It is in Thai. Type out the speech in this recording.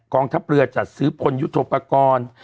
กองทัพเรือจัดซื้อปนยุทธ์โทรปรากร